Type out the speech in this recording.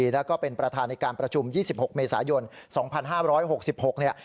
แล้วก็เป็นประธานในการประชุม๒๖เมษายน๒๕๖๖เนี่ย